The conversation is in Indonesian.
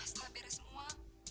setelah beres semua